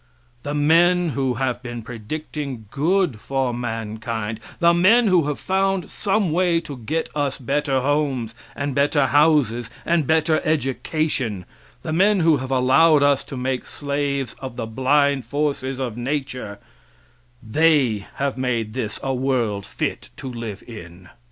The men who have been predicting good for mankind, the men who have found some way to get us better homes and better houses and better education, the men who have allowed us to make slaves of the blind forces of nature they have made this world fit to live in.